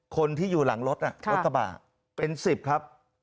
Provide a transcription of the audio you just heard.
คนที่อยู่หลังรถรถกระบะเป็น๑๐ครับ